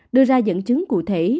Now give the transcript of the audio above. đưa ra dẫn chứng cụ thể